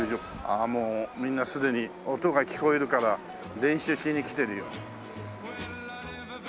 ああもうみんなすでに音が聞こえるから練習しに来てるよ。